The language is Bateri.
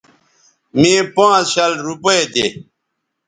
مے پانز شل روپے دے